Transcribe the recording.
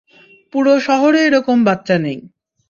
পুরো শহরে এরকম বাচ্চা নেই।